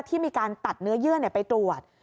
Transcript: ที่มีการตัดเนื้อเยื่อไปตรวจ